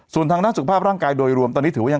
ส่วนทางด้านสุขภาพร่างกายโดยรวม